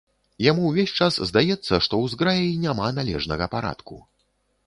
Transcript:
Яму ўвесь час здаецца, што ў зграі няма належнага парадку.